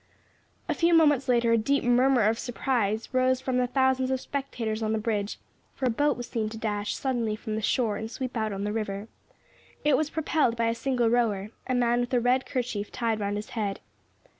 A few moments later a deep murmur of surprise rose from the thousands of spectators on the bridge, for a boat was seen to dash suddenly from the shore and sweep out on the river. It was propelled by a single rower a man with a red kerchief tied round his head.